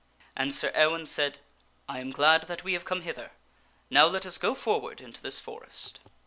And Sir Ewaine said, " I am glad that we have come hither. Now let us go forward into this forest."